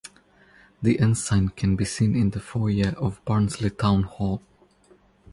The ensign can be seen in the foyer of Barnsley Town Hall.